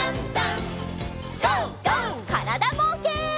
からだぼうけん。